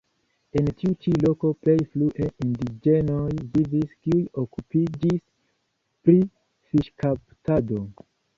En tiu ĉi loko plej frue indiĝenoj vivis, kiuj okupiĝis pri fiŝkaptado.